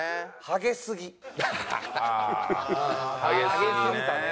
「ハゲすぎ」ね。